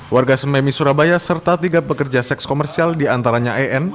warga sememi surabaya serta tiga pekerja seks komersial diantaranya en